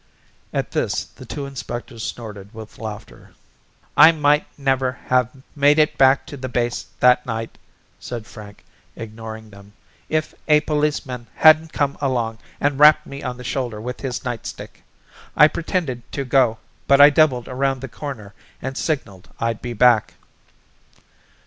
At this the two inspectors snorted with laughter. "I might never have made it back to the base that night," said Frank, ignoring them, "if a policeman hadn't come along and rapped me on the shoulder with his nightstick. I pretended to go, but I doubled around the corner and signaled I'd be back."